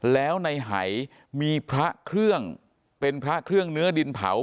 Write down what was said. แล้วในหายมีพระเครื่องเป็นพระเครื่องเนื้อดินเผา